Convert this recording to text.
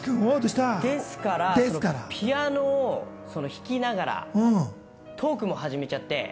ですから、ピアノを弾きながらトークも始めちゃって。